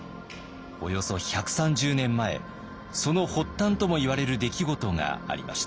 およそ１３０年前その発端ともいわれる出来事がありました。